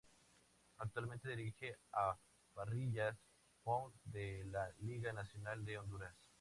Actualmente dirige a Parrillas One de la Liga Nacional de Honduras.